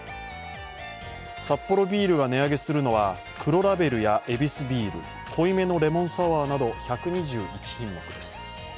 サッポロビールが値上げするのは黒ラベルやヱビスビール、濃いめのレモンサワーなど１２１品目です。